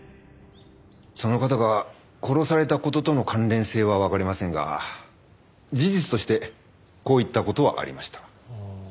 その方が殺された事との関連性はわかりませんが事実としてこういった事はありました。